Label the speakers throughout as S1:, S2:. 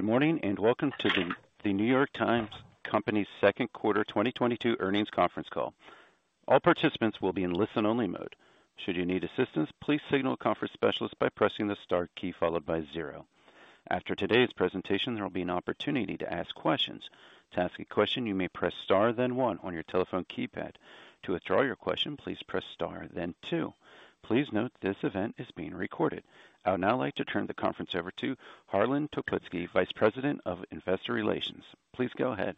S1: Good morning, and welcome to the New York Times Company Q2 2022 earnings conference call. All participants will be in listen-only mode. Should you need assistance, please signal a conference specialist by pressing the star key followed by zero. After today's presentation, there will be an opportunity to ask questions. To ask a question, you may press star then one on your telephone keypad. To withdraw your question, please press star then two. Please note this event is being recorded. I would now like to turn the conference over to Harlan Toplitzky, Vice President of Investor Relations. Please go ahead.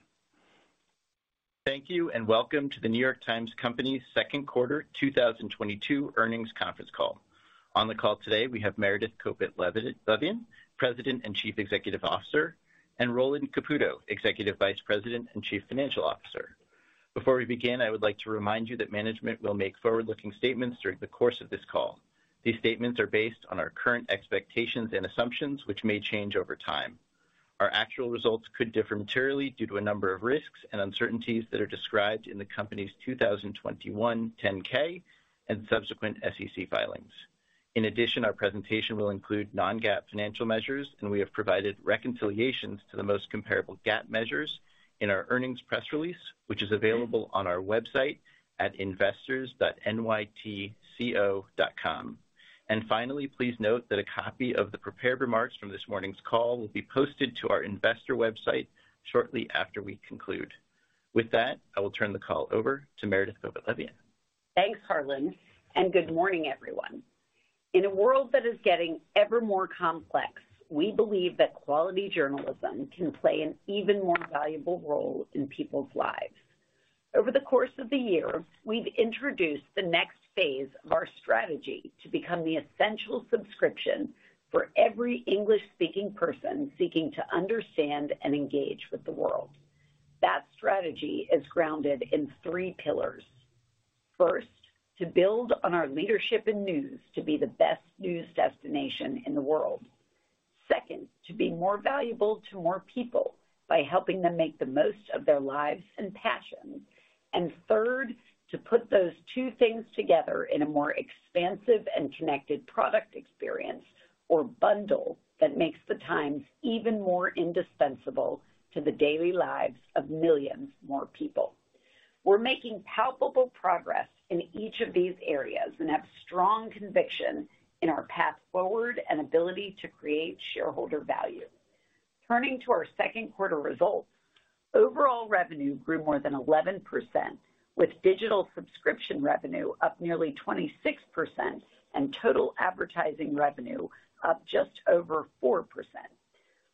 S2: Thank you, and welcome to The New York Times Company Q2 2022 earnings conference call. On the call today, we have Meredith Kopit Levien, President and Chief Executive Officer, and Roland Caputo, Executive Vice President and Chief Financial Officer. Before we begin, I would like to remind you that management will make forward-looking statements during the course of this call. These statements are based on our current expectations and assumptions, which may change over time. Our actual results could differ materially due to a number of risks and uncertainties that are described in the Company's 2021 10-K and subsequent SEC filings. In addition, our presentation will include non-GAAP financial measures, and we have provided reconciliations to the most comparable GAAP measures in our earnings press release, which is available on our website at investors.nytco.com. Finally, please note that a copy of the prepared remarks from this morning's call will be posted to our investor website shortly after we conclude. With that, I will turn the call over to Meredith Kopit Levien.
S3: Thanks, Harlan, and good morning, everyone. In a world that is getting ever more complex, we believe that quality journalism can play an even more valuable role in people's lives. Over the course of the year, we've introduced the next phase of our strategy to become the essential subscription for every English-speaking person seeking to understand and engage with the world. That strategy is grounded in three pillars. First, to build on our leadership in news to be the best news destination in the world. Second, to be more valuable to more people by helping them make the most of their lives and passions. Third, to put those two things together in a more expansive and connected product experience or bundle that makes the Times even more indispensable to the daily lives of millions more people. We're making palpable progress in each of these areas and have strong conviction in our path forward and ability to create shareholder value. Turning to our Q2 results, overall revenue grew more than 11%, with digital subscription revenue up nearly 26% and total advertising revenue up just over 4%.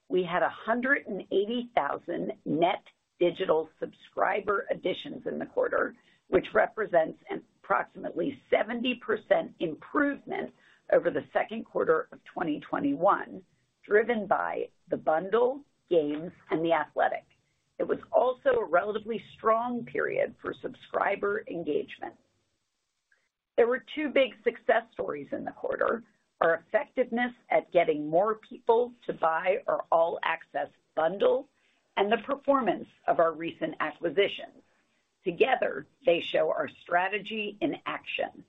S3: We had 180,000 net digital subscriber additions in the quarter, which represents an approximately 70% improvement over the Q2 of 2021, driven by the bundle, Games, and The Athletic. It was also a relatively strong period for subscriber engagement. There were two big success stories in the quarter. Our effectiveness at getting more people to buy our All Access Bundle and the performance of our recent acquisitions. Together, they show our strategy in action.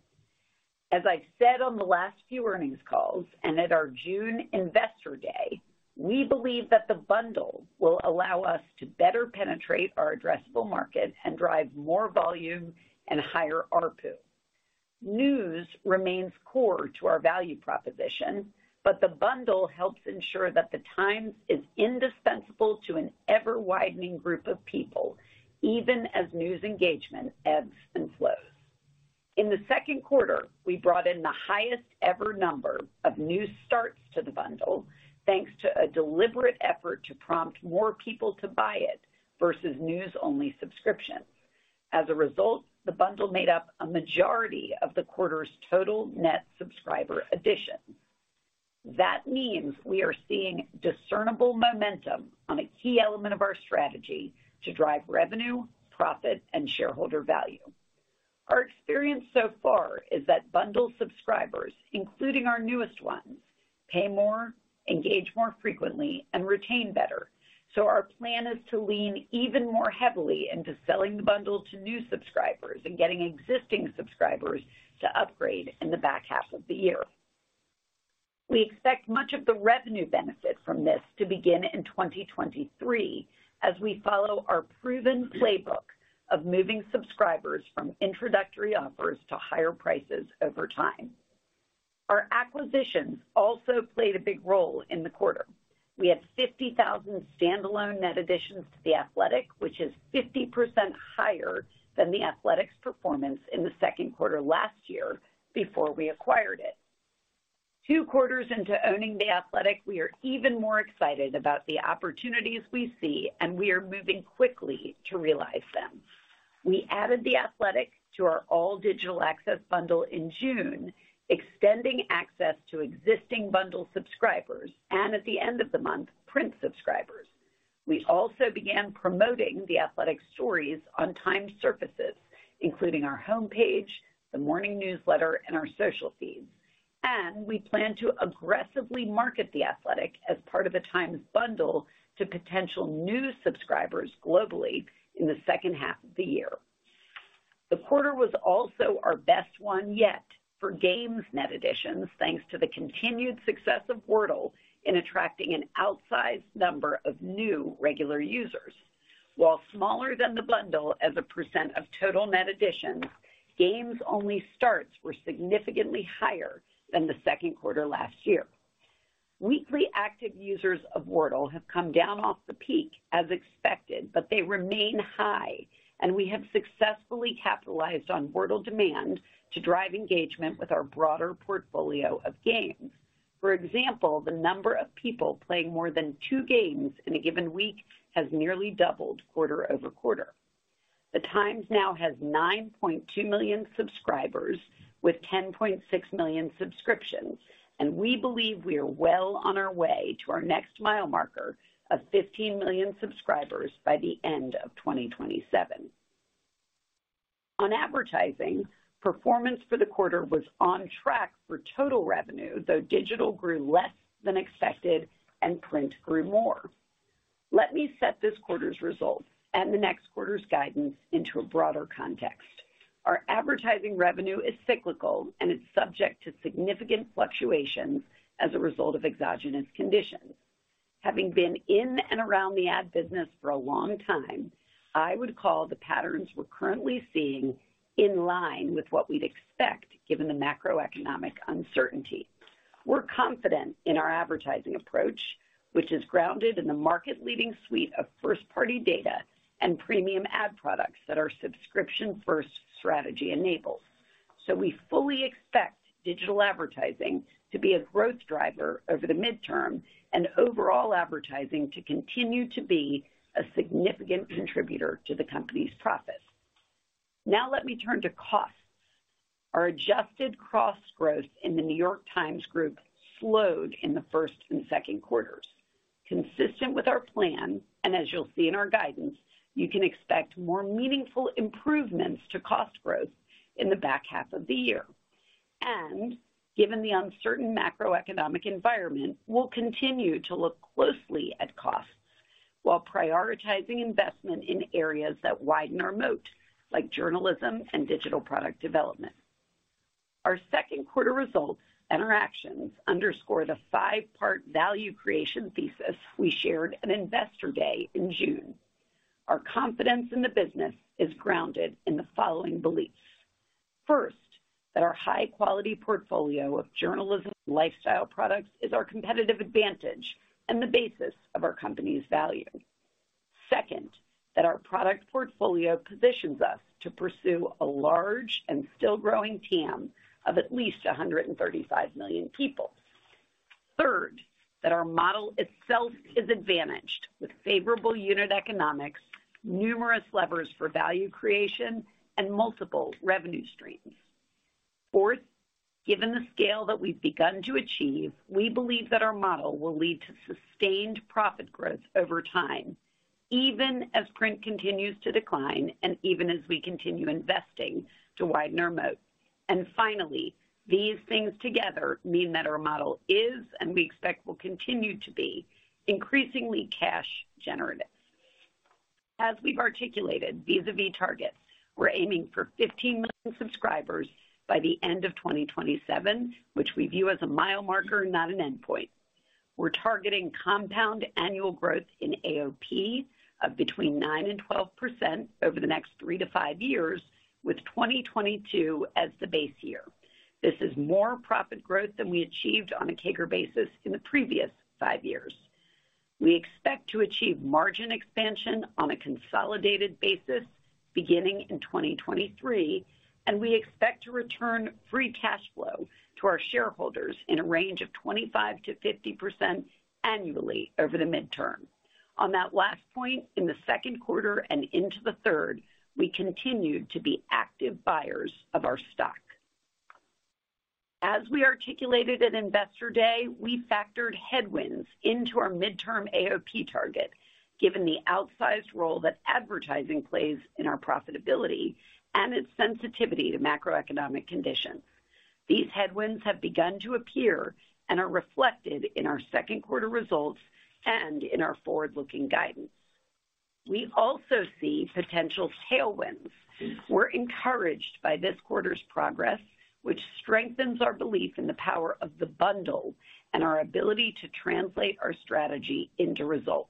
S3: As I said on the last few earnings calls and at our June Investor Day, we believe that the bundle will allow us to better penetrate our addressable market and drive more volume and higher ARPU. News remains core to our value proposition, but the bundle helps ensure that The Times is indispensable to an ever-widening group of people, even as news engagement ebbs and flows. In the Q2, we brought in the highest ever number of new starts to the bundle, thanks to a deliberate effort to prompt more people to buy it versus news-only subscriptions. As a result, the bundle made up a majority of the quarter's total net subscriber addition. That means we are seeing discernible momentum on a key element of our strategy to drive revenue, profit, and shareholder value. Our experience so far is that bundle subscribers, including our newest ones, pay more, engage more frequently, and retain better. Our plan is to lean even more heavily into selling the bundle to new subscribers and getting existing subscribers to upgrade in the back half of the year. We expect much of the revenue benefit from this to begin in 2023 as we follow our proven playbook of moving subscribers from introductory offers to higher prices over time. Our acquisitions also played a big role in the quarter. We had 50,000 standalone net additions to The Athletic, which is 50% higher than The Athletic's performance in the Q2 last year before we acquired it. Two quarters into owning The Athletic, we are even more excited about the opportunities we see, and we are moving quickly to realize them. We added The Athletic to our All Digital Access Bundle in June, extending access to existing bundle subscribers and at the end of the month, print subscribers. We also began promoting The Athletic stories on Times surfaces, including our homepage, the morning newsletter, and our social feeds. We plan to aggressively market The Athletic as part of The Times bundle to potential new subscribers globally in the second half of the year. The quarter was also our best one yet for Games net additions, thanks to the continued success of Wordle in attracting an outsized number of new regular users. While smaller than the bundle as a percent of total net additions, Games-only starts were significantly higher than the Q2 last year. Weekly active users of Wordle have come down off the peak as expected, but they remain high, and we have successfully capitalized on Wordle demand to drive engagement with our broader portfolio of games. For example, the number of people playing more than two games in a given week has nearly doubled quarter over quarter. The Times now has 9.2 million subscribers with 10.6 million subscriptions, and we believe we are well on our way to our next mile marker of 15 million subscribers by the end of 2027. On advertising, performance for the quarter was on track for total revenue, though digital grew less than expected and print grew more. Let me set this quarter's results and the next quarter's guidance into a broader context. Our advertising revenue is cyclical, and it's subject to significant fluctuations as a result of exogenous conditions. Having been in and around the ad business for a long time, I would call the patterns we're currently seeing in line with what we'd expect given the macroeconomic uncertainty. We're confident in our advertising approach, which is grounded in the market-leading suite of first-party data and premium ad products that our subscription-first strategy enables. We fully expect digital advertising to be a growth driver over the medium term and overall advertising to continue to be a significant contributor to the company's profits. Now let me turn to costs. Our adjusted cost growth in the New York Times Group slowed in the first and Q2s. Consistent with our plan, and as you'll see in our guidance, you can expect more meaningful improvements to cost growth in the back half of the year. Given the uncertain macroeconomic environment, we'll continue to look closely at costs while prioritizing investment in areas that widen our moat, like journalism and digital product development. Our Q2 results and our actions underscore the five-part value creation thesis we shared at Investor Day in June. Our confidence in the business is grounded in the following beliefs. First, that our high-quality portfolio of journalism lifestyle products is our competitive advantage and the basis of our company's value. Second, that our product portfolio positions us to pursue a large and still growing TAM of at least 135 million people. Third, that our model itself is advantaged with favorable unit economics, numerous levers for value creation, and multiple revenue streams. Fourth, given the scale that we've begun to achieve, we believe that our model will lead to sustained profit growth over time, even as print continues to decline and even as we continue investing to widen our moat. Finally, these things together mean that our model is, and we expect will continue to be, increasingly cash generative. As we've articulated vis-à-vis targets, we're aiming for 15 million subscribers by the end of 2027, which we view as a mile marker, not an endpoint. We're targeting compound annual growth in AOP of between 9% and 12% over the next 3-5 years, with 2022 as the base year. This is more profit growth than we achieved on a CAGR basis in the previous five years. We expect to achieve margin expansion on a consolidated basis beginning in 2023, and we expect to return free cash flow to our shareholders in a range of 25%-50% annually over the midterm. On that last point, in the Q2 and into the third, we continued to be active buyers of our stock. As we articulated at Investor Day, we factored headwinds into our midterm AOP target, given the outsized role that advertising plays in our profitability and its sensitivity to macroeconomic conditions. These headwinds have begun to appear and are reflected in our Q2 results and in our forward-looking guidance. We also see potential tailwinds. We're encouraged by this quarter's progress, which strengthens our belief in the power of the bundle and our ability to translate our strategy into results.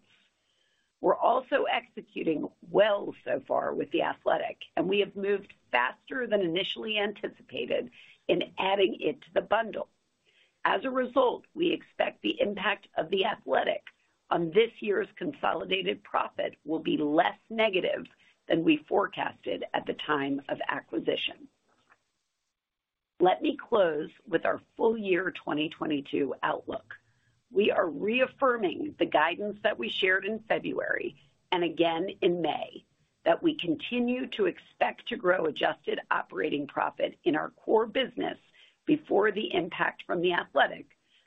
S3: We're also executing well so far with The Athletic, and we have moved faster than initially anticipated in adding it to the bundle. As a result, we expect the impact of The Athletic on this year's consolidated profit will be less negative than we forecasted at the time of acquisition. Let me close with our full year 2022 outlook. We are reaffirming the guidance that we shared in February and again in May that we continue to expect to grow adjusted operating profit in our core business before the impact from The Athletic,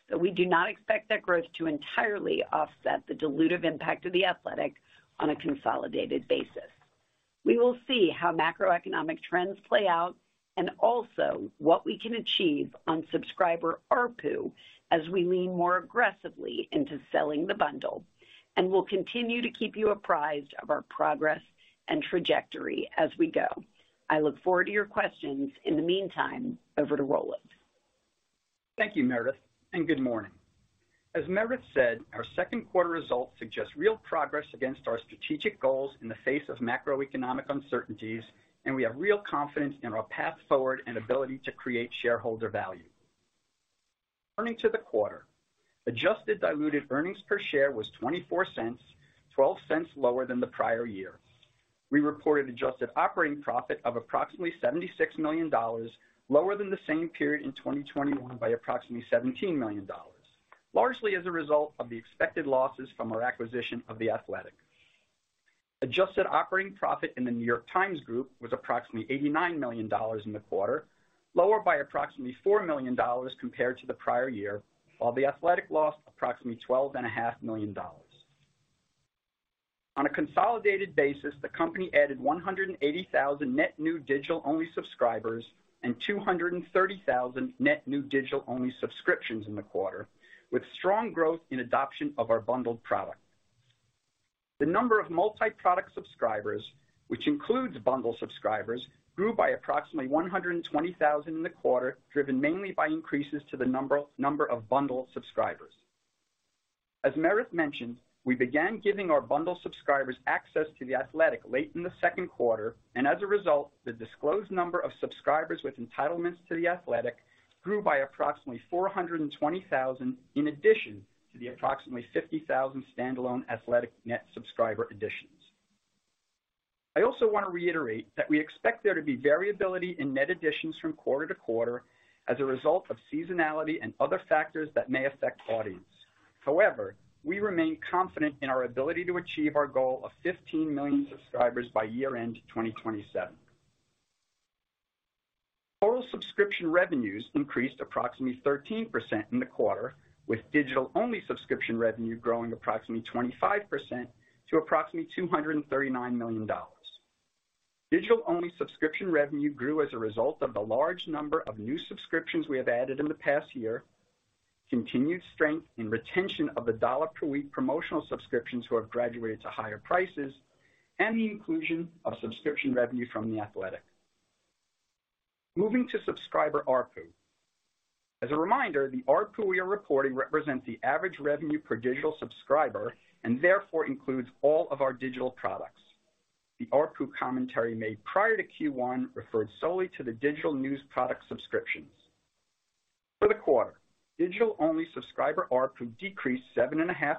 S3: though we do not expect that growth to entirely offset the dilutive impact of The Athletic on a consolidated basis. We will see how macroeconomic trends play out. Also what we can achieve on subscriber ARPU as we lean more aggressively into selling the bundle, and we'll continue to keep you apprised of our progress and trajectory as we go. I look forward to your questions. In the meantime, over to Roland.
S4: Thank you, Meredith, and good morning. As Meredith said, our Q2 results suggest real progress against our strategic goals in the face of macroeconomic uncertainties, and we have real confidence in our path forward and ability to create shareholder value. Turning to the quarter, adjusted diluted earnings per share was $0.24, $0.12 lower than the prior year. We reported adjusted operating profit of approximately $76 million, lower than the same period in 2021 by approximately $17 million, largely as a result of the expected losses from our acquisition of The Athletic. Adjusted operating profit in The New York Times Group was approximately $89 million in the quarter, lower by approximately $4 million compared to the prior year while The Athletic lost approximately $12.5 million. On a consolidated basis, the company added 180,000 net new digital-only subscribers and 230,000 net new digital-only subscriptions in the quarter, with strong growth in adoption of our bundled product. The number of multi-product subscribers, which includes bundle subscribers, grew by approximately 120,000 in the quarter, driven mainly by increases to the number of bundle subscribers. As Meredith mentioned, we began giving our bundle subscribers access to The Athletic late in the Q2, and as a result, the disclosed number of subscribers with entitlements to The Athletic grew by approximately 420,000 in addition to the approximately 50,000 standalone Athletic net subscriber additions. I also want to reiterate that we expect there to be variability in net additions from quarter to quarter as a result of seasonality and other factors that may affect audience. However, we remain confident in our ability to achieve our goal of 15 million subscribers by year-end 2027. Total subscription revenues increased approximately 13% in the quarter, with digital-only subscription revenue growing approximately 25% to approximately $239 million. Digital-only subscription revenue grew as a result of the large number of new subscriptions we have added in the past year, continued strength in retention of the dollar per week promotional subscriptions who have graduated to higher prices, and the inclusion of subscription revenue from The Athletic. Moving to subscriber ARPU. As a reminder, the ARPU we are reporting represents the average revenue per digital subscriber and therefore includes all of our digital products. The ARPU commentary made prior to Q1 referred solely to the digital news product subscriptions. For the quarter, digital-only subscriber ARPU decreased 7.5%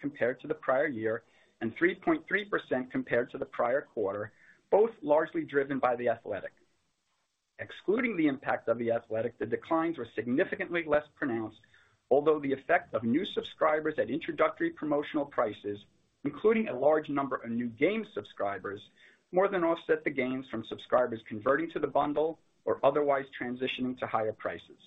S4: compared to the prior year and 3.3% compared to the prior quarter, both largely driven by The Athletic. Excluding the impact of The Athletic, the declines were significantly less pronounced, although the effect of new subscribers at introductory promotional prices, including a large number of new game subscribers, more than offset the gains from subscribers converting to the bundle or otherwise transitioning to higher prices.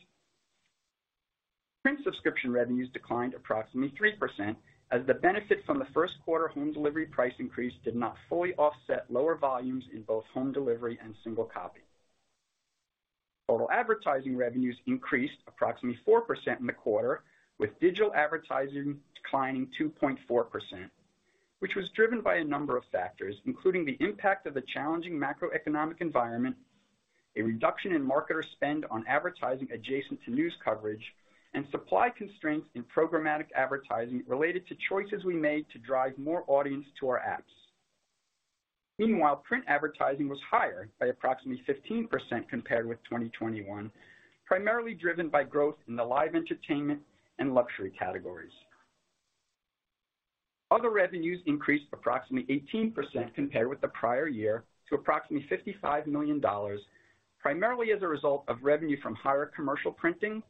S4: Print subscription revenues declined approximately 3% as the benefit from the Q1 home delivery price increase did not fully offset lower volumes in both home delivery and single copy. Total advertising revenues increased approximately 4% in the quarter, with digital advertising declining 2.4%, which was driven by a number of factors, including the impact of the challenging macroeconomic environment, a reduction in marketer spend on advertising adjacent to news coverage, and supply constraints in programmatic advertising related to choices we made to drive more audience to our apps. Meanwhile, print advertising was higher by approximately 15% compared with 2021, primarily driven by growth in the live entertainment and luxury categories. Other revenues increased approximately 18% compared with the prior year to approximately $55 million, primarily as a result of revenue from higher commercial printing,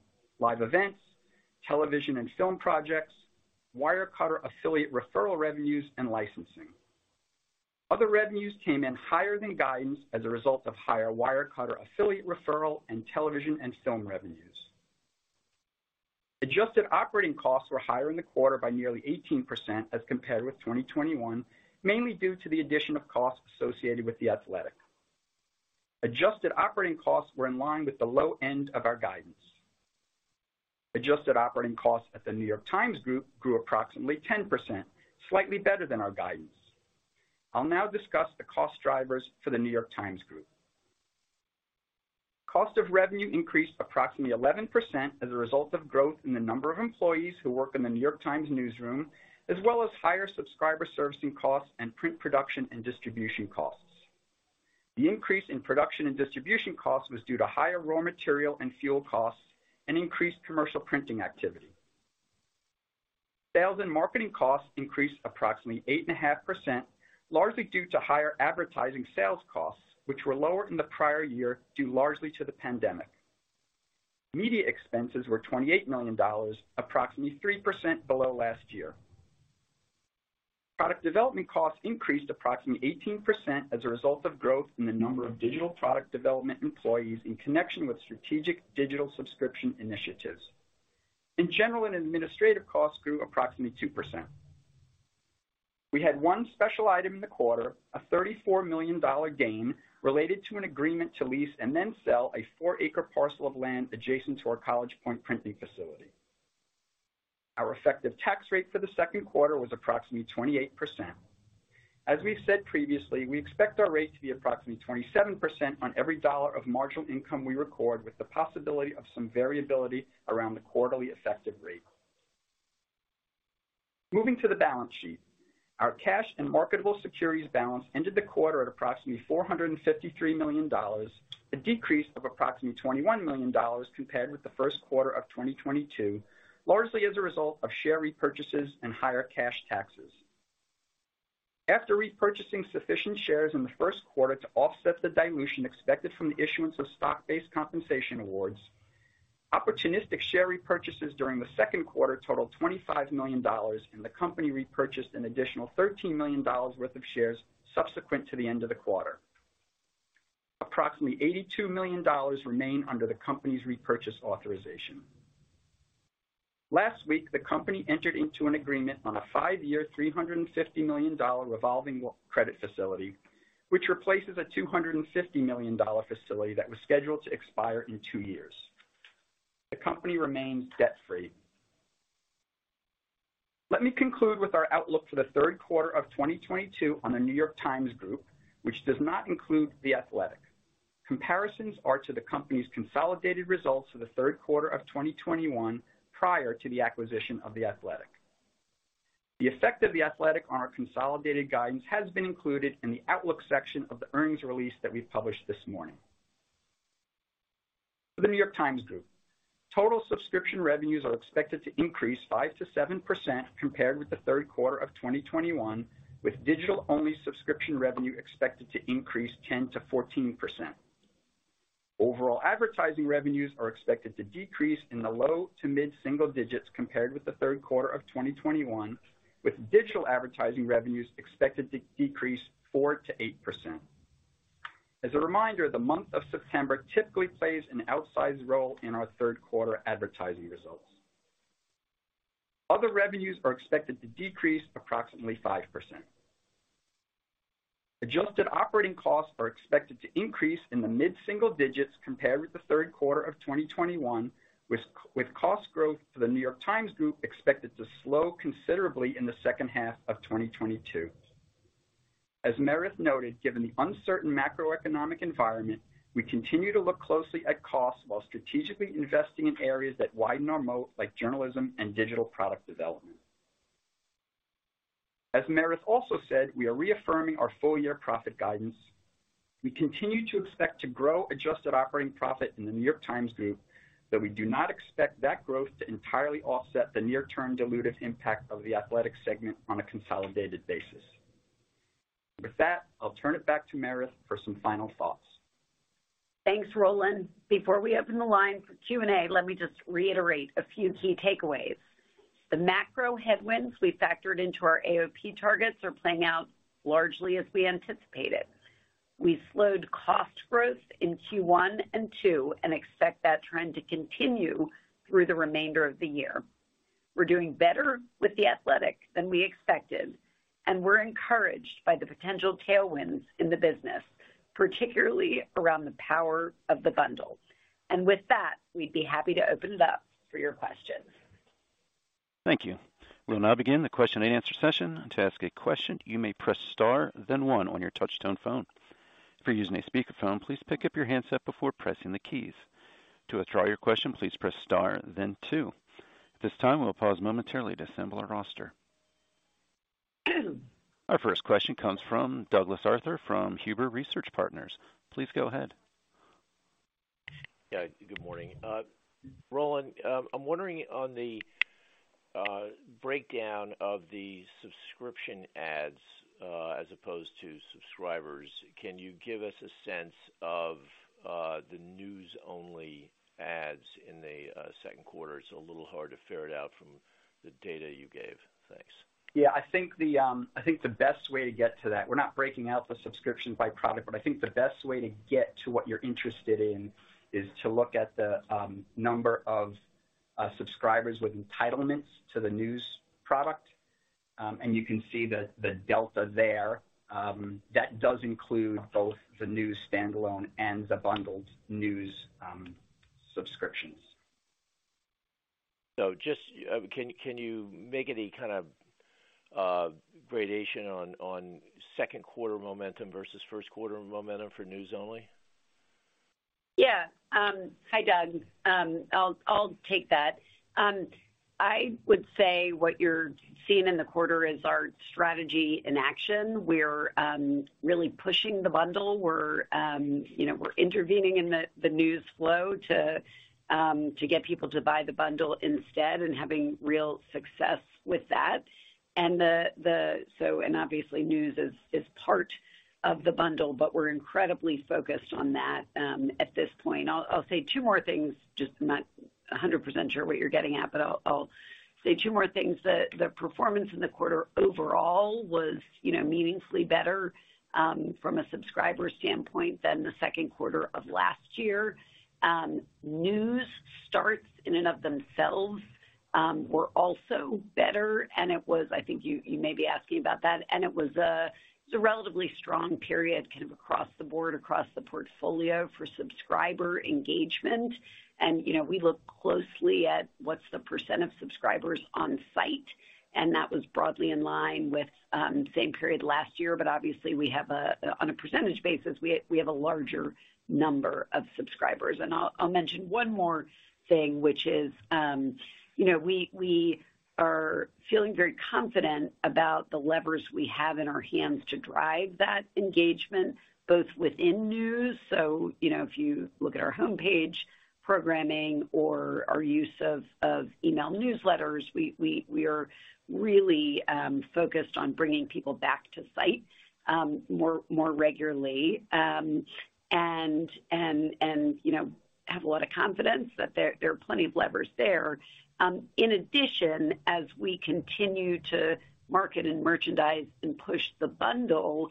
S4: live events, television and film projects, Wirecutter affiliate referral revenues, and licensing. Other revenues came in higher than guidance as a result of higher Wirecutter affiliate referral and television and film revenues. Adjusted operating costs were higher in the quarter by nearly 18% as compared with 2021, mainly due to the addition of costs associated with The Athletic. Adjusted operating costs were in line with the low end of our guidance. Adjusted operating costs at The New York Times Group grew approximately 10%, slightly better than our guidance. I'll now discuss the cost drivers for The New York Times Group. Cost of revenue increased approximately 11% as a result of growth in the number of employees who work in The New York Times newsroom, as well as higher subscriber servicing costs and print production and distribution costs. The increase in production and distribution costs was due to higher raw material and fuel costs and increased commercial printing activity. Sales and marketing costs increased approximately 8.5%, largely due to higher advertising sales costs, which were lower than the prior year, due largely to the pandemic. Media expenses were $28 million, approximately 3% below last year. Product development costs increased approximately 18% as a result of growth in the number of digital product development employees in connection with strategic digital subscription initiatives. In general and administrative costs grew approximately 2%. We had one special item in the quarter, a $34 million gain related to an agreement to lease and then sell a 4-acre parcel of land adjacent to our College Point printing facility. Our effective tax rate for the Q2 was approximately 28%. As we've said previously, we expect our rate to be approximately 27% on every dollar of marginal income we record, with the possibility of some variability around the quarterly effective rate. Moving to the balance sheet. Our cash and marketable securities balance ended the quarter at approximately $453 million, a decrease of approximately $21 million compared with the Q1 of 2022, largely as a result of share repurchases and higher cash taxes. After repurchasing sufficient shares in the Q1 to offset the dilution expected from the issuance of stock-based compensation awards, opportunistic share repurchases during the Q2 totaled $25 million, and the company repurchased an additional $13 million worth of shares subsequent to the end of the quarter. Approximately $82 million remain under the company's repurchase authorization. Last week, the company entered into an agreement on a five-year, $350 million revolving credit facility, which replaces a $250 million facility that was scheduled to expire in two years. The company remains debt-free. Let me conclude with our outlook for the Q3 of 2022 on The New York Times Group, which does not include The Athletic. Comparisons are to the company's consolidated results for the Q3 of 2021 prior to the acquisition of The Athletic. The effect of The Athletic on our consolidated guidance has been included in the outlook section of the earnings release that we published this morning. For The New York Times Group, total subscription revenues are expected to increase 5%-7% compared with the Q3 of 2021, with digital-only subscription revenue expected to increase 10%-14%. Overall advertising revenues are expected to decrease in the low- to mid-single digits compared with the Q3 of 2021, with digital advertising revenues expected to decrease 4%-8%. As a reminder, the month of September typically plays an outsized role in our Q3 advertising results. Other revenues are expected to decrease approximately 5%. Adjusted operating costs are expected to increase in the mid-single digits compared with the Q3 of 2021, with cost growth for The New York Times Group expected to slow considerably in the second half of 2022. As Meredith noted, given the uncertain macroeconomic environment, we continue to look closely at costs while strategically investing in areas that widen our moat, like journalism and digital product development. As Meredith also said, we are reaffirming our full-year profit guidance. We continue to expect to grow adjusted operating profit in The New York Times Group, though we do not expect that growth to entirely offset the near-term dilutive impact of The Athletic segment on a consolidated basis. With that, I'll turn it back to Meredith for some final thoughts.
S3: Thanks, Roland. Before we open the line for Q&A, let me just reiterate a few key takeaways. The macro headwinds we factored into our AOP targets are playing out largely as we anticipated. We slowed cost growth in Q1 and Q2 and expect that trend to continue through the remainder of the year. We're doing better with The Athletic than we expected, and we're encouraged by the potential tailwinds in the business, particularly around the power of the bundle. With that, we'd be happy to open it up for your questions.
S1: Thank you. We'll now begin the question-and-answer session. To ask a question, you may press star then one on your touchtone phone. If you're using a speakerphone, please pick up your handset before pressing the keys. To withdraw your question, please press star then two. At this time, we'll pause momentarily to assemble our roster. Our first question comes from Douglas Arthur from Huber Research Partners. Please go ahead.
S5: Yeah, good morning. Roland, I'm wondering on the breakdown of the subscription ads as opposed to subscribers, can you give us a sense of the news-only ads in the Q2? It's a little hard to ferret out from the data you gave. Thanks.
S4: I think the best way to get to that. We're not breaking out the subscription by product, but I think the best way to get to what you're interested in is to look at the number of subscribers with entitlements to the news product. You can see the delta there. That does include both the news standalone and the bundled news subscriptions.
S5: Just, can you make any kind of gradation on Q2 momentum versus Q1 momentum for news only?
S3: Yeah. Hi, Doug. I'll take that. I would say what you're seeing in the quarter is our strategy in action. We're really pushing the bundle. You know, we're intervening in the news flow to get people to buy the bundle instead and having real success with that. So obviously news is part of the bundle, but we're incredibly focused on that at this point. I'll say two more things. Just, I'm not 100% sure what you're getting at, but I'll say two more things. The performance in the quarter overall was, you know, meaningfully better from a subscriber standpoint than the Q2 of last year. New starts in and of themselves were also better. I think you may be asking about that, and it's a relatively strong period kind of across the board, across the portfolio for subscriber engagement. You know, we look closely at what's the percent of subscribers on site, and that was broadly in line with same period last year. Obviously we have a, on a percentage basis, we have a larger number of subscribers. I'll mention one more thing, which is, you know, we are feeling very confident about the levers we have in our hands to drive that engagement, both within news. You know, if you look at our homepage programming or our use of email newsletters, we are really focused on bringing people back to site more regularly. You know we have a lot of confidence that there are plenty of levers there. In addition, as we continue to market and merchandise and push the bundle,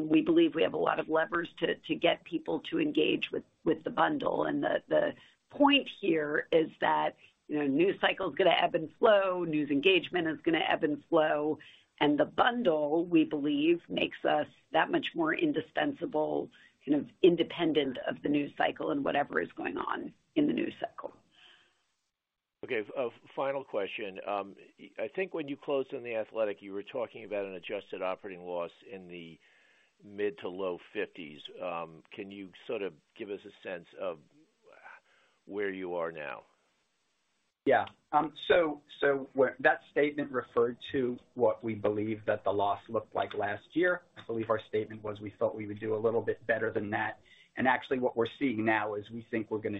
S3: we believe we have a lot of levers to get people to engage with the bundle. The point here is that, you know, news cycle is gonna ebb and flow, news engagement is gonna ebb and flow, and the bundle, we believe, makes us that much more indispensable, kind of independent of the news cycle and whatever is going on in the news cycle.
S5: Okay, a final question. I think when you closed on The Athletic, you were talking about an adjusted operating loss in the mid- to low 50s. Can you sort of give us a sense of where you are now?
S4: Yeah. So where that statement referred to what we believe that the loss looked like last year. I believe our statement was we thought we would do a little bit better than that. Actually what we're seeing now is we think we're gonna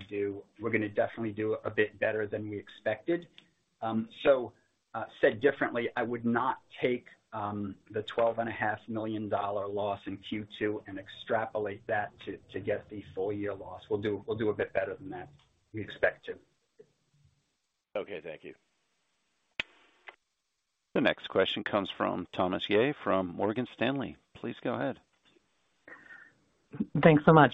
S4: definitely do a bit better than we expected. Said differently, I would not take the $12.5 million loss in Q2 and extrapolate that to get the full-year loss. We'll do a bit better than that. We expect to.
S5: Okay, thank you.
S1: The next question comes from Thomas Yeh from Morgan Stanley. Please go ahead.
S6: Thanks so much.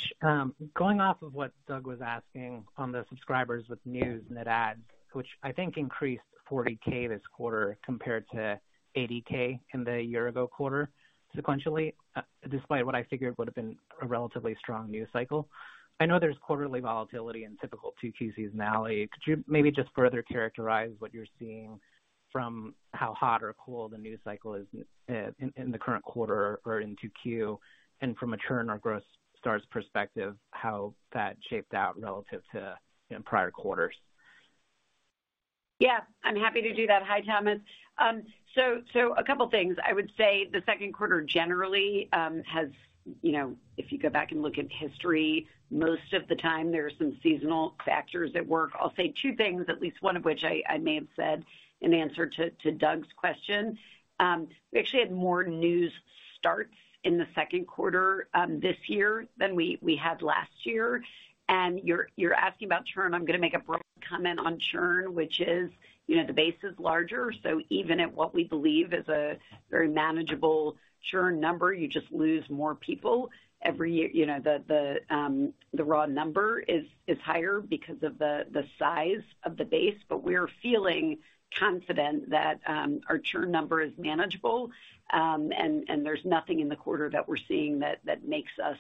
S6: Going off of what Doug was asking on the subscribers with news net add, which I think increased 40K this quarter compared to 80K in the year ago quarter sequentially, despite what I figured would have been a relatively strong news cycle. I know there's quarterly volatility and typical 2Q seasonality. Could you maybe just further characterize what you're seeing from how hot or cold the news cycle is in the current quarter or in 2Q, and from a churn or growth starts perspective, how that shaped out relative to, you know, prior quarters?
S3: Yeah, I'm happy to do that. Hi, Thomas. So a couple things. I would say the Q2 generally has, you know, if you go back and look at history, most of the time there are some seasonal factors at work. I'll say two things, at least one of which I may have said in answer to Doug's question. We actually had more news starts in the Q2 this year than we had last year. You're asking about churn. I'm gonna make a broad comment on churn, which is, you know, the base is larger, so even at what we believe is a very manageable churn number, you just lose more people every year. You know the raw number is higher because of the size of the base, but we're feeling confident that our churn number is manageable. There's nothing in the quarter that we're seeing that makes us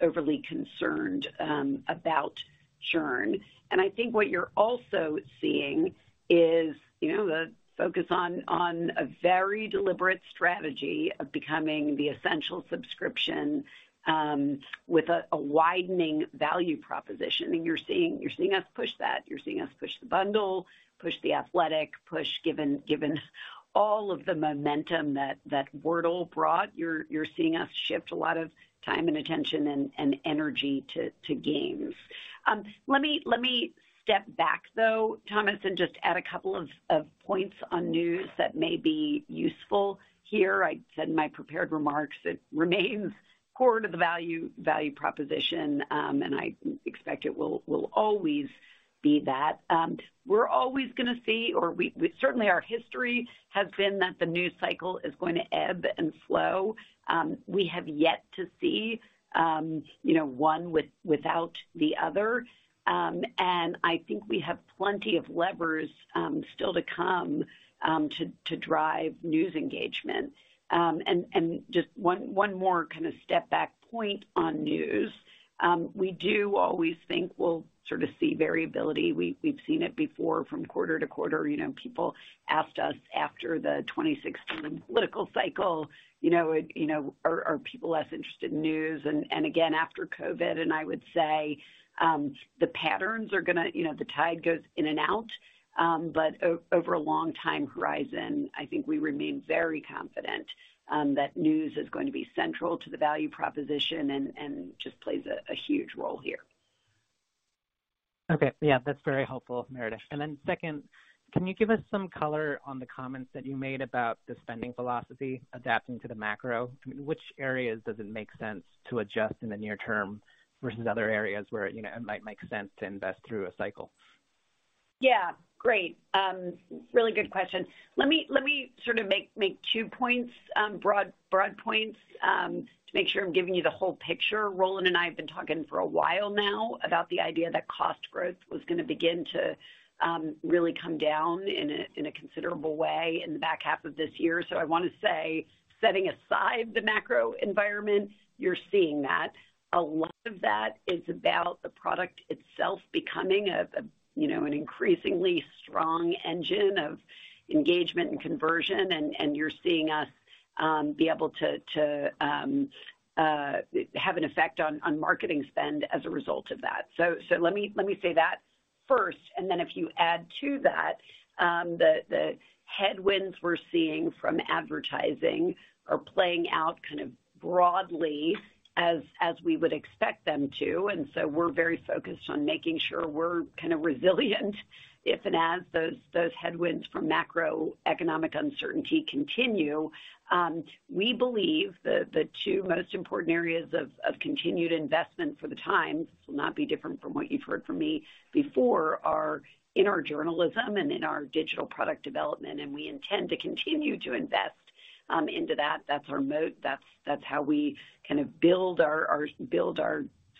S3: overly concerned about churn. I think what you're also seeing is you know the focus on a very deliberate strategy of becoming the essential subscription with a widening value proposition. You're seeing us push that, push the bundle, push The Athletic, given all of the momentum that Wordle brought, you're seeing us shift a lot of time and attention and energy to Games. Let me step back though, Thomas, and just add a couple of points on news that may be useful here. I said in my prepared remarks, it remains core to the value proposition, and I expect it will always be that. We're always gonna see certainly our history has been that the news cycle is going to ebb and flow. We have yet to see, you know, one without the other. I think we have plenty of levers still to come to drive news engagement. Just one more kind of step back point on news. We do always think we'll sort of see variability. We've seen it before from quarter to quarter. You know, people asked us after the 2016 political cycle, you know, are people less interested in news? Again after COVID. I would say, the patterns are gonna, you know, the tide goes in and out, but over a long time horizon, I think we remain very confident, that news is going to be central to the value proposition and just plays a huge role here.
S6: Okay. Yeah, that's very helpful, Meredith. Second, can you give us some color on the comments that you made about the spending philosophy adapting to the macro? I mean, which areas does it make sense to adjust in the near term versus other areas where, you know, it might make sense to invest through a cycle?
S3: Yeah. Great. Really good question. Let me sort of make two points, broad points, to make sure I'm giving you the whole picture. Roland and I have been talking for a while now about the idea that cost growth was gonna begin to really come down in a considerable way in the back half of this year. I wanna say, setting aside the macro environment, you're seeing that. A lot of that is about the product itself becoming a you know, an increasingly strong engine of engagement and conversion, and you're seeing us be able to have an effect on marketing spend as a result of that. Let me say that first, and then if you add to that, the headwinds we're seeing from advertising are playing out kind of broadly as we would expect them to. We're very focused on making sure we're kind of resilient if and as those headwinds from macroeconomic uncertainty continue. We believe the two most important areas of continued investment for the time, this will not be different from what you've heard from me before, are in our journalism and in our digital product development, and we intend to continue to invest into that. That's our moat. That's how we kind of build our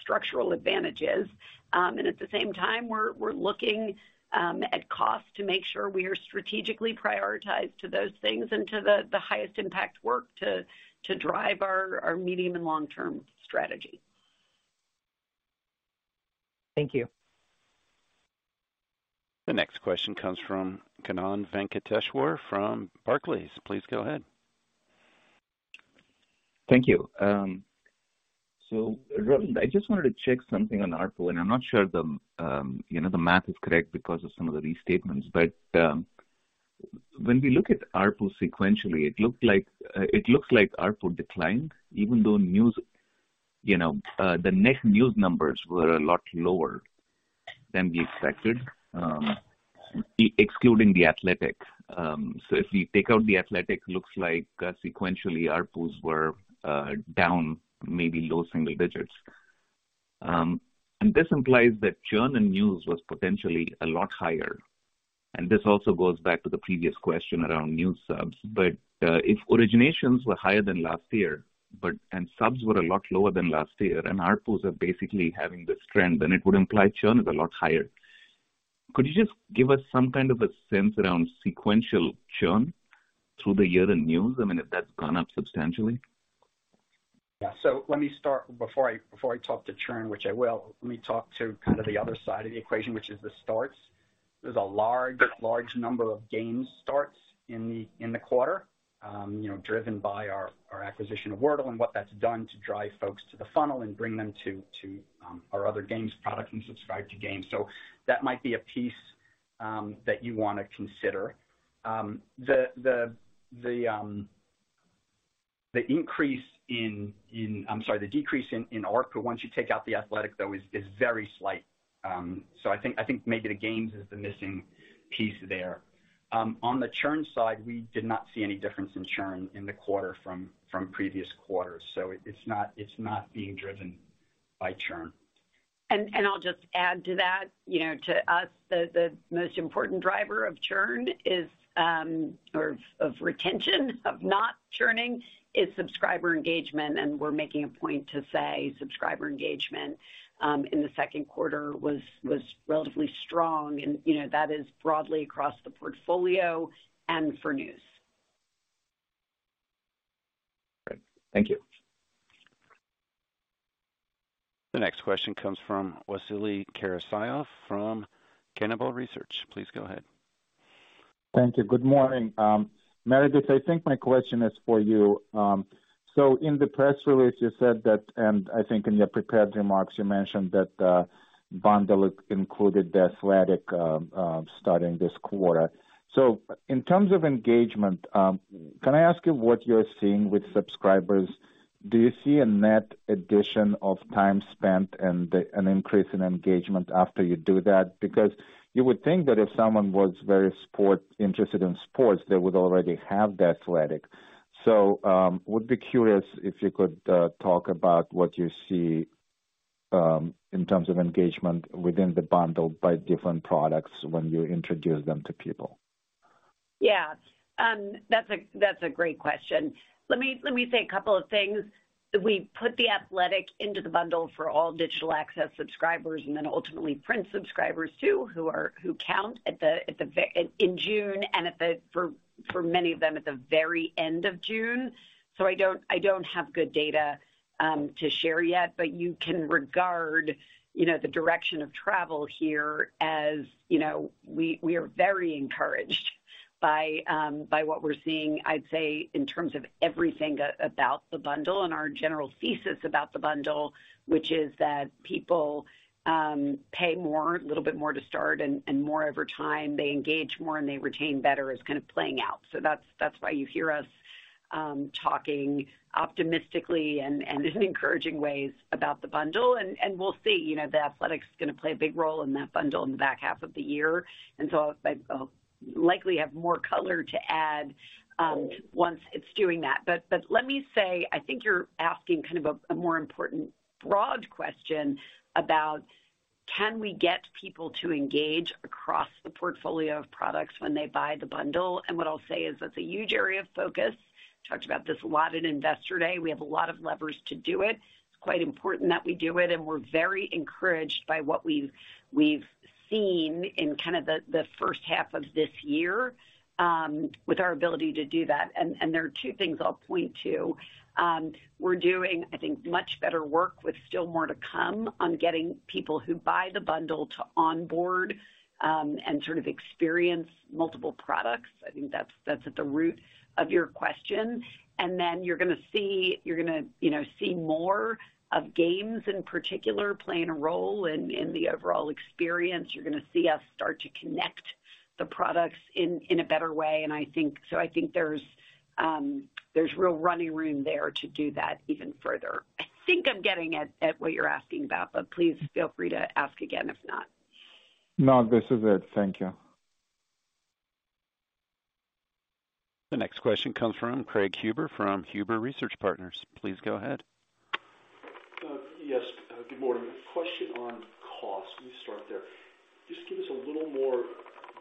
S3: structural advantages. At the same time, we're looking at cost to make sure we are strategically prioritized to those things and to the highest impact work to drive our medium and long-term strategy.
S6: Thank you.
S1: The next question comes from Kannan Venkateshwar from Barclays. Please go ahead.
S7: Thank you. Roland, I just wanted to check something on ARPU, and I'm not sure, you know, the math is correct because of some of the restatements. When we look at ARPU sequentially, it looks like ARPU declined even though news, you know, the net news numbers were a lot lower than we expected, excluding The Athletic. If we take out The Athletic, it looks like sequentially ARPU were down maybe low single digits. This implies that churn in news was potentially a lot higher, and this also goes back to the previous question around news subs. If originations were higher than last year, and subs were a lot lower than last year, and ARPUs are basically having this trend, then it would imply churn is a lot higher. Could you just give us some kind of a sense around sequential churn through the year in news? I mean, if that's gone up substantially?
S4: Yeah. Let me start. Before I talk to churn, which I will, let me talk to kind of the other side of the equation, which is the starts. There's a large number of Games starts in the quarter, driven by our acquisition of Wordle and what that's done to drive folks to the funnel and bring them to our other Games product and subscribe to Games. That might be a piece that you wanna consider. The decrease in ARPU once you take out The Athletic, though, is very slight. I think maybe the Games is the missing piece there. On the churn side, we did not see any difference in churn in the quarter from previous quarters, so it's not being driven by churn.
S3: I'll just add to that. You know, to us, the most important driver of churn is or of retention, of not churning is subscriber engagement, and we're making a point to say subscriber engagement in the Q2 was relatively strong. You know, that is broadly across the portfolio and for news.
S7: Great. Thank you.
S1: The next question comes from Vasily Karasyov from Cannonball Research. Please go ahead.
S8: Thank you. Good morning. Meredith, I think my question is for you. In the press release, you said that, and I think in your prepared remarks you mentioned that, bundle included The Athletic, starting this quarter. In terms of engagement, can I ask you what you're seeing with subscribers? Do you see a net addition of time spent and an increase in engagement after you do that? Because you would think that if someone was very interested in sports, they would already have The Athletic. Would be curious if you could talk about what you see in terms of engagement within the bundle by different products when you introduce them to people.
S3: Yeah. That's a great question. Let me say a couple of things. We put The Athletic into the bundle for All Digital Access subscribers and then ultimately print subscribers too who count in June and, for many of them, at the very end of June. I don't have good data to share yet, but you can regard, you know, the direction of travel here. As you know, we are very encouraged by what we're seeing. I'd say in terms of everything about the bundle and our general thesis about the bundle, which is that people pay more, a little bit more to start and more over time. They engage more and they retain better is kind of playing out. That's why you hear us talking optimistically and in encouraging ways about the bundle, and we'll see, you know, The Athletic is gonna play a big role in that bundle in the back half of the year. I'll likely have more color to add once it's doing that. But let me say, I think you're asking kind of a more important broad question about can we get people to engage across the portfolio of products when they buy the bundle? What I'll say is that's a huge area of focus. Talked about this a lot at Investor Day. We have a lot of levers to do it. It's quite important that we do it, and we're very encouraged by what we've seen in kind of the first half of this year with our ability to do that. There are two things I'll point to. We're doing, I think, much better work with still more to come on getting people who buy the bundle to onboard and sort of experience multiple products. I think that's at the root of your question. You're gonna see, you know, more of Games in particular playing a role in the overall experience. You're gonna see us start to connect the products in a better way, and I think there's real running room there to do that even further. I think I'm getting at what you're asking about, but please feel free to ask again if not.
S8: No, this is it. Thank you.
S1: The next question comes from Craig Huber from Huber Research Partners. Please go ahead.
S9: Yes. Good morning. Question on cost. Let me start there. Just give us a little more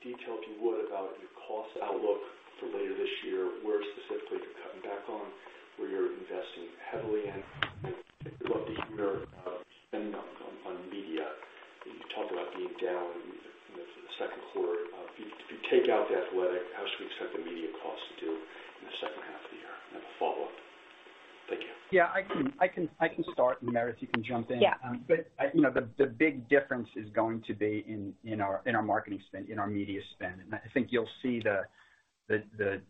S9: detail, if you would, about your cost outlook for later this year, where specifically you're cutting back on, where you're investing heavily in, and particularly about the nature of spending on media. You talk about being down in the Q2. If you take out The Athletic, how should we expect the media cost to do in the second half of the year? A follow-up. Thank you.
S4: Yeah, I can start, and Meredith, you can jump in.
S3: Yeah.
S4: You know, the big difference is going to be in our marketing spend, in our media spend. I think you'll see the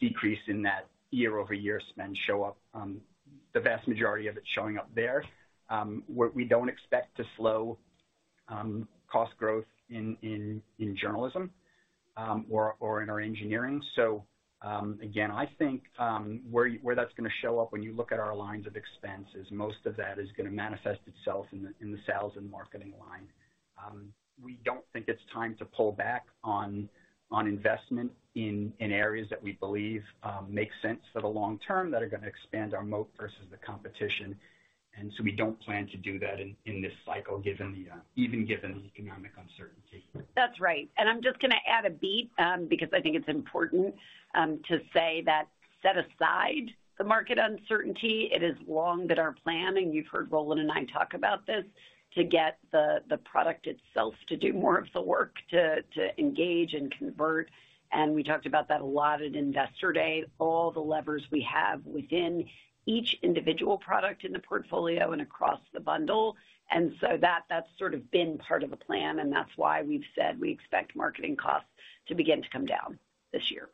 S4: decrease in that year-over-year spend show up, the vast majority of it showing up there. What we don't expect to slow cost growth in journalism or in our engineering. Again, I think, where that's gonna show up when you look at our lines of expenses, most of that is gonna manifest itself in the sales and marketing line. We don't think it's time to pull back on investment in areas that we believe make sense for the long term that are gonna expand our moat versus the competition. We don't plan to do that in this cycle, given the, even given the economic uncertainty.
S3: That's right. I'm just gonna add a bit, because I think it's important, to say that set aside the market uncertainty, it is all along our plan, and you've heard Roland and I talk about this, to get the product itself to do more of the work to engage and convert. We talked about that a lot at Investor Day, all the levers we have within each individual product in the portfolio and across the bundle. That, that's sort of been part of the plan, and that's why we've said we expect marketing costs to begin to come down this year.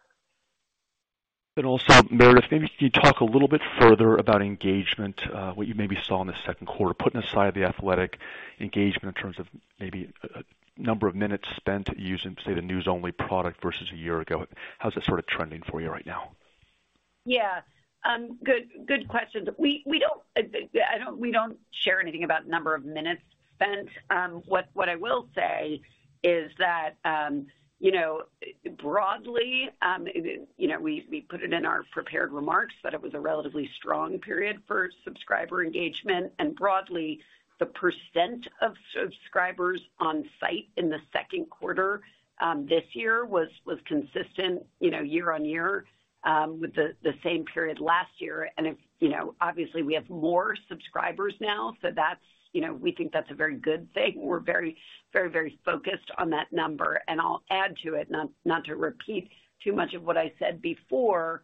S9: Meredith, maybe can you talk a little bit further about engagement, what you maybe saw in the Q2, putting aside The Athletic engagement in terms of maybe a number of minutes spent using, say, the news-only product versus a year ago? How's that sort of trending for you right now?
S3: Yeah. Good question. We don't share anything about number of minutes spent. What I will say is that, you know, broadly, you know, we put it in our prepared remarks that it was a relatively strong period for subscriber engagement. Broadly, the percent of subscribers on site in the Q2 this year was consistent, you know, year-on-year, with the same period last year. You know, obviously we have more subscribers now, so that's, you know, we think that's a very good thing. We're very focused on that number, and I'll add to it, not to repeat too much of what I said before.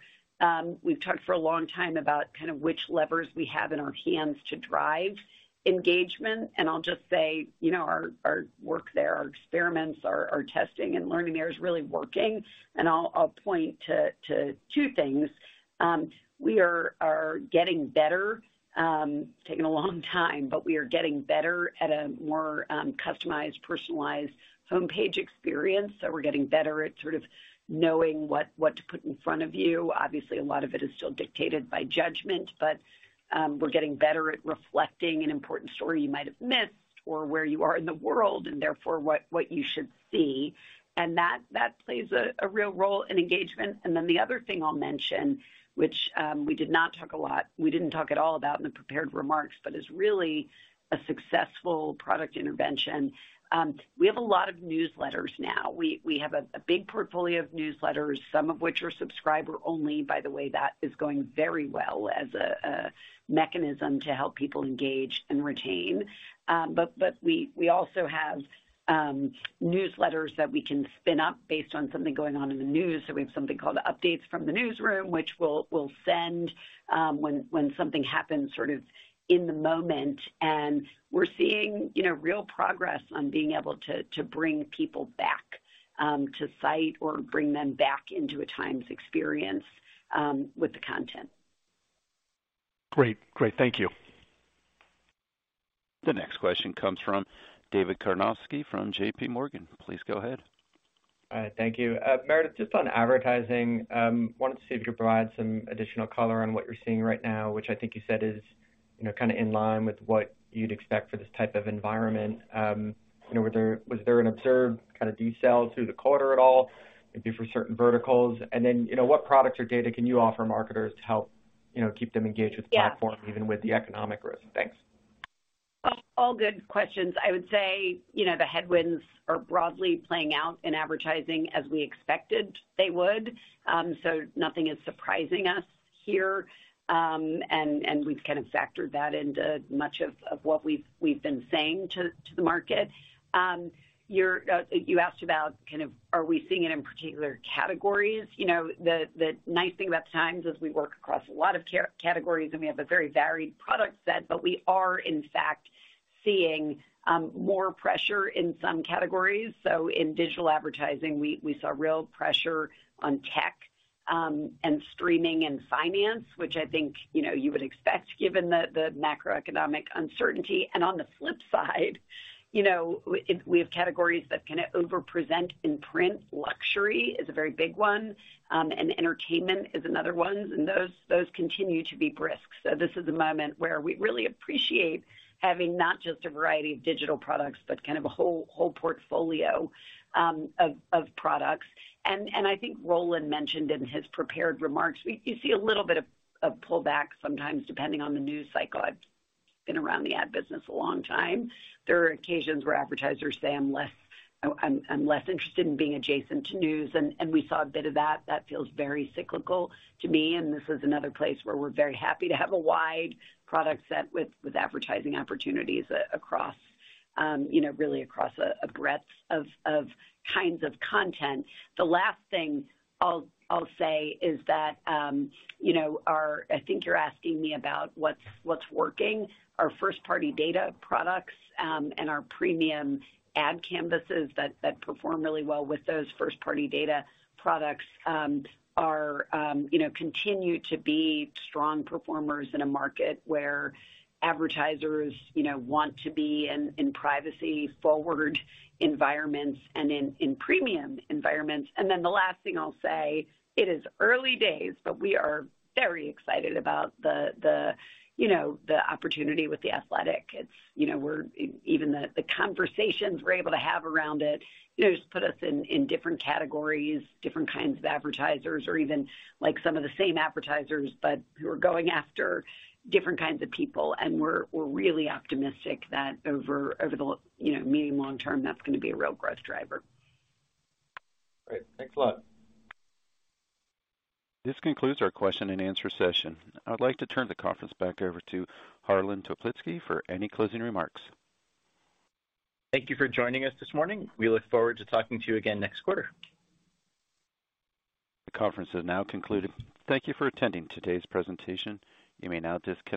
S3: We've talked for a long time about kind of which levers we have in our hands to drive engagement, and I'll just say, you know, our work there, our experiments, our testing and learning there is really working. I'll point to two things. We are getting better. Taking a long time, but we are getting better at a more customized, personalized homepage experience. We're getting better at sort of knowing what to put in front of you. Obviously, a lot of it is still dictated by judgment, but we're getting better at reflecting an important story you might have missed or where you are in the world, and therefore what you should see. That plays a real role in engagement. The other thing I'll mention, which we didn't talk at all about in the prepared remarks, but is really a successful product intervention. We have a lot of newsletters now. We have a big portfolio of newsletters, some of which are subscriber only. By the way, that is going very well as a mechanism to help people engage and retain. But we also have newsletters that we can spin up based on something going on in the news. We have something called Updates from the Newsroom, which we'll send when something happens sort of in the moment. We're seeing, you know, real progress on being able to bring people back to site or bring them back into a Times experience with the content.
S9: Great. Thank you.
S1: The next question comes from David Karnovsky from JPMorgan. Please go ahead.
S10: All right. Thank you. Meredith, just on advertising, wanted to see if you could provide some additional color on what you're seeing right now, which I think you said is, you know, kind of in line with what you'd expect for this type of environment. You know, was there an observed kind of de-sell through the quarter at all, maybe for certain verticals? You know, what products or data can you offer marketers to help, you know, keep them engaged?
S3: Yeah.
S10: With the platform, even with the economic risk? Thanks.
S3: All good questions. I would say, you know, the headwinds are broadly playing out in advertising as we expected they would. Nothing is surprising us here. We've kind of factored that into much of what we've been saying to the market. You asked about kind of are we seeing it in particular categories. You know, the nice thing about Times is we work across a lot of categories, and we have a very varied product set, but we are, in fact, seeing more pressure in some categories. In digital advertising, we saw real pressure on tech and streaming and finance, which I think, you know, you would expect given the macroeconomic uncertainty. On the flip side, you know, if we have categories that kind of over-present in print, luxury is a very big one, and entertainment is another one, and those continue to be brisk. This is a moment where we really appreciate having not just a variety of digital products but kind of a whole portfolio of products. I think Roland mentioned in his prepared remarks, you see a little bit of pullback sometimes, depending on the news cycle. I've been around the ad business a long time. There are occasions where advertisers say, "I'm less interested in being adjacent to news," and we saw a bit of that. That feels very cyclical to me, and this is another place where we're very happy to have a wide product set with advertising opportunities across, you know, really across a breadth of kinds of content. The last thing I'll say is that, you know, our... I think you're asking me about what's working. Our first-party data products and our premium ad canvases that perform really well with those first-party data products are, you know, continue to be strong performers in a market where advertisers, you know, want to be in privacy-forward environments and in premium environments. Then the last thing I'll say, it is early days, but we are very excited about the, you know, the opportunity with The Athletic. It's, you know, even the conversations we're able to have around it, you know, just put us in different categories, different kinds of advertisers or even, like, some of the same advertisers, but who are going after different kinds of people. We're really optimistic that over the, you know, medium/long term, that's gonna be a real growth driver.
S10: Great. Thanks a lot.
S1: This concludes our question-and-answer session. I'd like to turn the conference back over to Harlan Toplitzky for any closing remarks.
S2: Thank you for joining us this morning. We look forward to talking to you again next quarter.
S1: The conference is now concluded. Thank you for attending today's presentation. You may now disconnect.